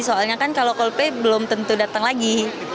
soalnya kan kalau coldplay belum tentu datang lagi